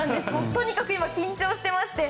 とにかく今、緊張していまして。